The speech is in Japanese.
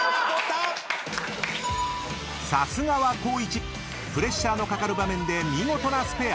［プレッシャーのかかる場面で見事なスペア］